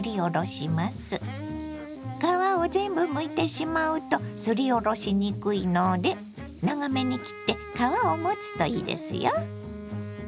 皮を全部むいてしまうとすりおろしにくいので長めに切って皮を持つといいですよ。